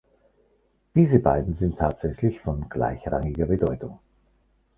Diese beiden sind tatsächlich von gleichrangiger Bedeutung.